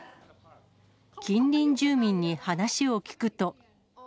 近隣住民に話を聞くと。